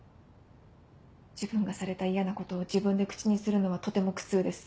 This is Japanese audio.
自分がされた嫌なことを自分で口にするのはとても苦痛です。